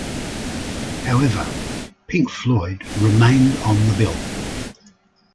However, Pink Floyd remained on the bill.